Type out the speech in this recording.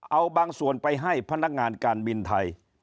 เอาบางส่วนไปให้พนักงานการบินไทย